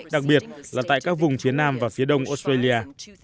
đặc biệt là tại các vùng phía nam và phía đông australia